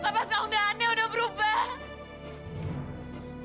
lepas keundaannya udah berubah